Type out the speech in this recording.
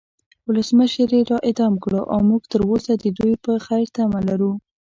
ولسمشر یی را اعدام کړو او مونږ تروسه د دوی د خیر تمه لرو